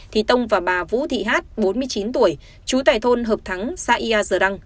thì tông và bà vũ thị hát bốn mươi chín tuổi chú tài thôn hợp thắng xã yà giờ răng